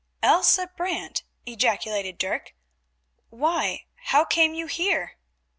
"Elsa Brant!" ejaculated Dirk. "Why, how came you here?"